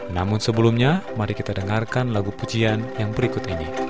namun sebelumnya mari kita dengarkan lagu pujian yang berikut ini